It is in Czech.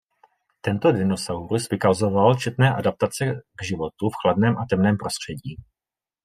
Tento dinosaurus vykazoval četné adaptace k životu v chladném a temném prostředí.